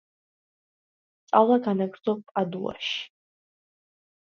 სწავლა განაგრძო პადუაში.